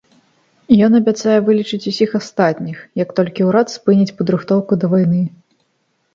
Ён абяцае вылечыць усіх астатніх, як толькі ўрад спыніць падрыхтоўку да вайны.